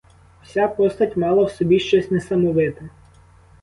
Вся постать мала в собі щось несамовите.